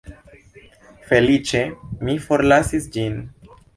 Feliĉe mi forlasis ĝin.